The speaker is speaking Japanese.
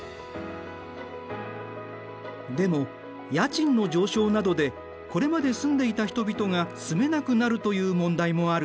でも家賃の上昇などでこれまで住んでいた人々が住めなくなるという問題もある。